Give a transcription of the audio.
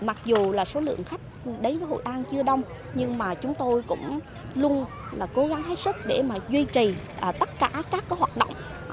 mặc dù là số lượng khách đến với hội an chưa đông nhưng mà chúng tôi cũng luôn là cố gắng hết sức để mà duy trì tất cả các hoạt động